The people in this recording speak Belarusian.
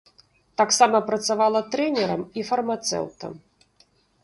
Таксама працавала трэнерам і фармацэўтам.